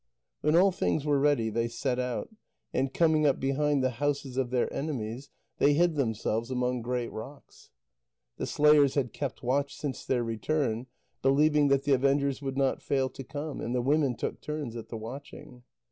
When all things were ready, they set out, and coming up behind the houses of their enemies, they hid themselves among great rocks. The slayers had kept watch since their return, believing that the avengers would not fail to come, and the women took turns at the watching.